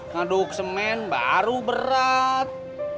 ngaduk semen baru berat